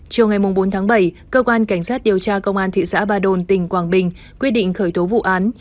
chiều ngày bốn tháng bảy cơ quan cảnh sát điều tra công an thị xã ba đồn tỉnh quảng bình quyết định khởi tố vụ án